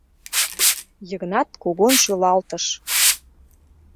— Йыгнат кугун шӱлалтыш.